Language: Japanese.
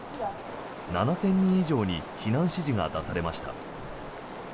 ７０００人以上に避難指示が出されました。